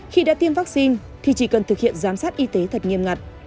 khi đã tiêm vaccine thì chỉ cần thực hiện giám sát y tế thật nghiêm ngặt